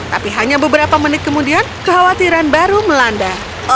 tapi hanya beberapa menit kemudian kekhawatiran baru melanda